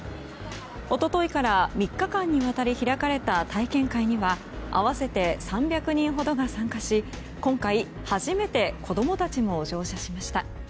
一昨日から３日間にわたり開かれた体験会には合わせて３００人ほどが参加し今回初めて子供たちも乗車しました。